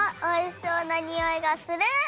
おいしそうなにおいがする！